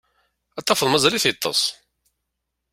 Ad tafeḍ mazal-it yeṭṭes.